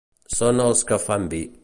Són els que fan vi.